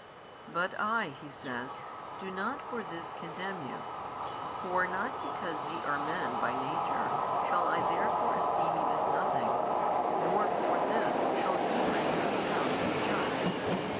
But I (He says) do not for this condemn you; for not because ye are men by nature, shall I therefore esteem you as nothing nor for this shall ye render account to the Judge.